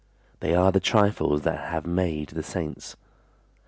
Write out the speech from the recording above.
They are the trifles that have made the saints.